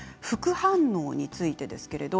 副反応についてです。